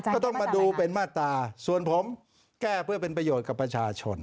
ก็ต้องมาดูเป็นมาตราส่วนผมแก้เพื่อเป็นประโยชน์กับประชาชน